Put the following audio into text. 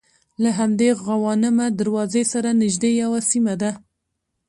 له همدې غوانمه دروازې سره نژدې یوه سیمه ده.